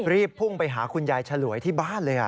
รีบพุ่งไปหาคุณยายฉลวยที่บ้านเลย